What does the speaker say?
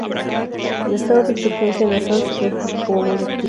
El estado de insurgencia en Assam se clasifica como muy activa.